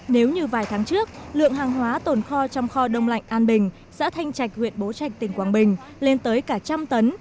nếu như vài tháng trước lượng hàng hóa tồn kho trong kho đông lạnh an bình xã thanh trạch huyện bố trạch tỉnh quảng bình lên tới cả trăm tấn